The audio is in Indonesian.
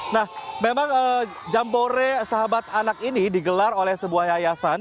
nah memang jambore sahabat anak ini digelar oleh sebuah yayasan